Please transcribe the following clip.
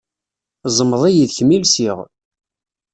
Ẓmeḍ-iyi d kemm i lsiɣ.